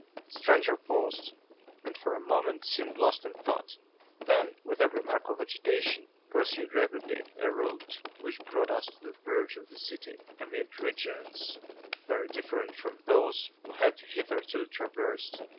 The stranger paused, and, for a moment, seemed lost in thought; then, with every mark of agitation, pursued rapidly a route which brought us to the verge of the city, amid regions very different from those we had hitherto traversed.